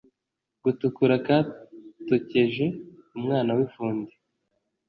Gatukura katokeje-Umwana w'ifundi.